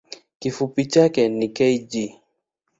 Kifupi chake ni kg.